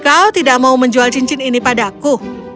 kau tidak mau menjual cincin ini padaku